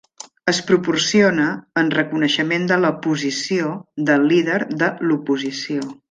Es proporciona en reconeixement de la posició del líder de l'oposició.